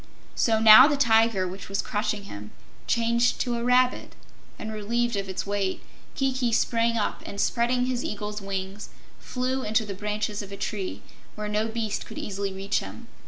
So now the tiger which was crushing him changed to a rabbit, and relieved of its weight, Kiki sprang up and, spreading his eagle's wings, flew into the branches of a tree, where no beast could easily reach him.